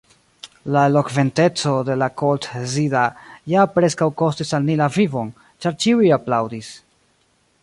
La elokventeco de Koltzida ja preskaŭ kostis al ni la vivon, ĉar ĉiuj aplaŭdis.